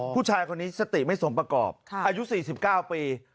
ผู้ชายคนนี้สติไม่สมประกอบอายุสี่สิบเก้าปี